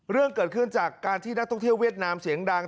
เรื่องเกิดขึ้นจากการที่นักท่องเที่ยวเวียดนามเสียงดัง